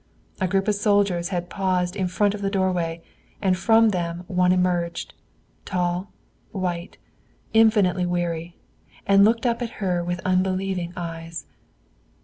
A group of soldiers had paused in front of the doorway, and from them one emerged tall, white, infinitely weary and looked up at her with unbelieving eyes.